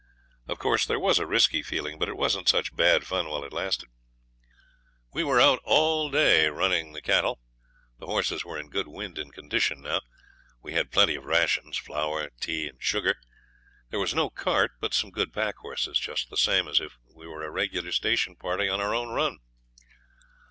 Of course there was a risky feeling, but it wasn't such bad fun while it lasted. We were out all day running in the cattle. The horses were in good wind and condition now; we had plenty of rations flour, tea, and sugar. There was no cart, but some good packhorses, just the same as if we were a regular station party on our own run.